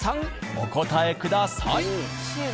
お答えください。